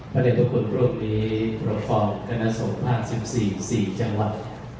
พระเจ้าทุกคนรวมนี้ประภาพกระนะสมภาค๑๔สี่จังหวัด